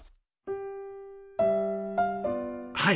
はい。